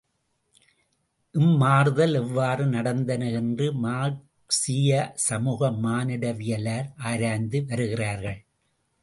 இம்மாறுதல் எவ்வாறு நடந்தன என்று மார்க்சீய சமூக மானிடவியலார் ஆராய்ந்து வருகிறார்கள்.